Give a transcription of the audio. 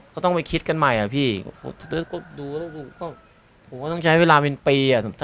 ก็ต้องไปคิดกันใหม่อ่ะพี่ก็ดูแล้วผมก็ต้องใช้เวลาเป็นปีอ่ะ